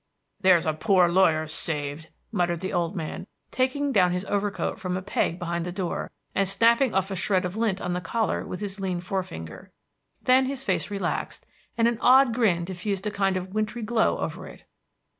"There's a poor lawyer saved," muttered the old man, taking down his overcoat from a peg behind the door, and snapping off a shred of lint on the collar with his lean forefinger. Then his face relaxed, and an odd grin diffused a kind of wintry glow over it.